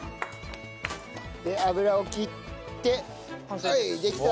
で油を切ってはいできた。